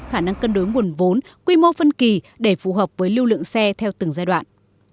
khả năng cân đối nguồn vốn quy mô phân kỳ để phù hợp với lưu lượng xe theo từng giai đoạn